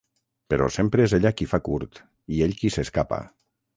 Però sempre és ella qui fa curt i ell qui s'escapa.